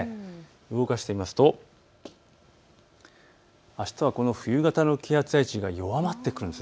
動かしてみますとあしたはこの冬型の気圧配置が弱まってくるんです。